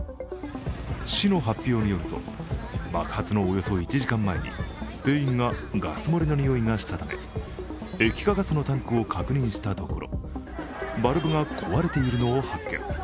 市の発表によると、爆発のおよそ１時間前に店員がガス漏れの臭いがしたため液化ガスのタンクを確認したところバルブが壊れているのを発見。